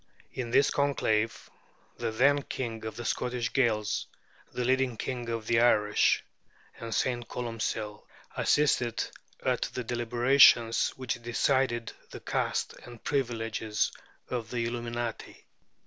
In this conclave, the then king of the Scottish Gaels, the leading King of the Irish, and St. Columcill, assisted at the deliberations which decided the caste and privileges of the Illuminati.